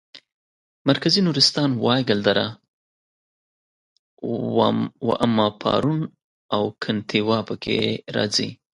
مرکزي نورستان وایګل دره واما پارون او کنتیوا پکې راځي.